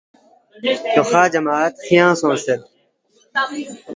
فیوخہ جماد خیانگ سونگسید